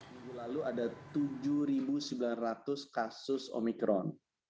minggu lalu ada tujuh sembilan ratus kasus omikron